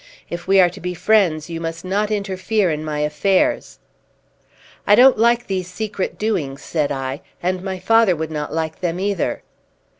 If we are to be friends, you must not interfere in my affairs." "I don't like these secret doings," said I, "and my father would not like them either."